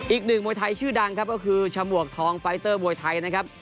อีกหนึ่งมวยไทยชื่อดังครับก็คือฉมวกทองไฟเตอร์มวยไทยนะครับ